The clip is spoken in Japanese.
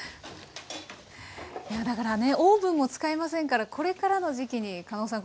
いやだからねオーブンを使いませんからこれからの時期にかのうさん